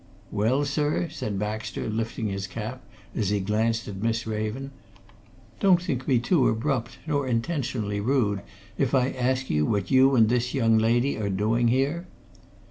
"Well, sir?" said Baxter, lifting his cap as he glanced at Miss Raven. "Don't think me too abrupt, nor intentionally rude, if I ask you what you and this young lady are doing here?"